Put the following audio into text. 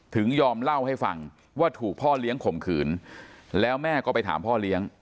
ยอมเล่าให้ฟังว่าถูกพ่อเลี้ยงข่มขืนแล้วแม่ก็ไปถามพ่อเลี้ยง